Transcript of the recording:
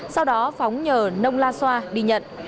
sau đó phóng nhờ nông lan xoa đi nhận